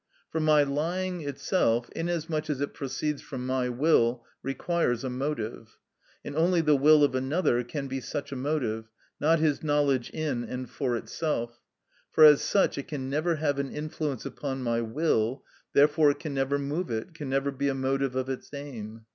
For my lying itself, inasmuch as it proceeds from my will, requires a motive; and only the will of another can be such a motive, not his knowledge in and for itself; for as such it can never have an influence upon my will, therefore it can never move it, can never be a motive of its aim.